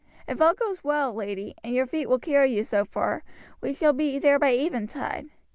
"If all goes well, lady, and your feet will carry you so far, we shall be there by eventide.